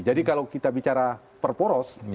jadi kalau kita bicara per poros